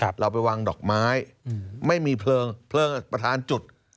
เราไปวางดอกไม้ไม่มีเพลิงเพลิงประธานจุด